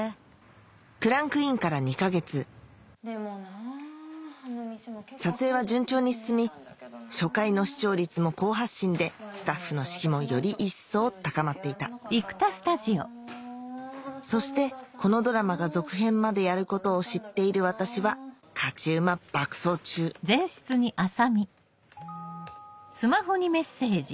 クランクインから２か月撮影は順調に進み初回の視聴率も好発進でスタッフの士気もより一層高まっていたそしてこのドラマが続編までやることを知っている私は勝ち馬爆走中あ。